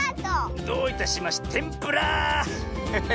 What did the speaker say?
どういたしましてんぷら！